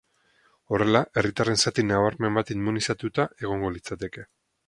Horrela, herritarren zati nabarmen bat immunizatuta egongo litzateke.